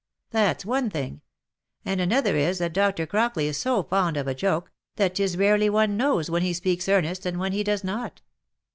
That's one thing; and another is, that Dr. Crockley is so fond of a joke, that 'tis rarely one knows when he speaks earnest, and when he does not.